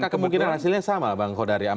apakah kemungkinan hasilnya sama bang khodaryam